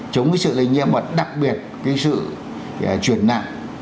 chống cái sự lây nhiễm và đặc biệt cái sự chuyển nặng